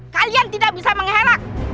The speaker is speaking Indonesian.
kalian tidak bisa mengherak